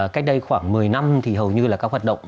cách đây khoảng một mươi năm thì hầu như là các hoạt động